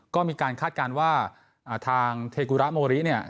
ก็มีการคาดการณ์ว่าทางเทกุระโมริเนี่ย